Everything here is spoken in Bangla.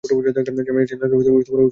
যামিনীর ছেলেটাকেও ওর সঙ্গে দিয়ে দিলাম।